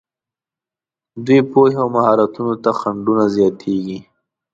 دوی پوهې او مهارتونو ته خنډونه زیاتېږي.